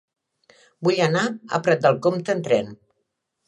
Vull anar a Prat de Comte amb tren.